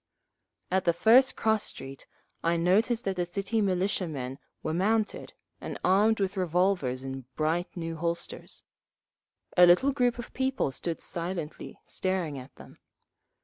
At the first cross street I noticed that the City Militiamen were mounted, and armed with revolvers in bright new holsters; a little group of people stood silently staring at them.